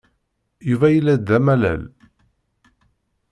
Yuba yella-d d amalal.